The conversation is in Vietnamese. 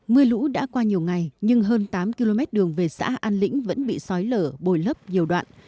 mưa lũ đã qua nhiều ngày nhưng hơn tám km đường về xã an lĩnh vẫn bị sói lở bồi lấp nhiều đoạn